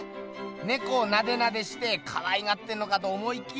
ねこをナデナデしてかわいがってんのかと思いきや。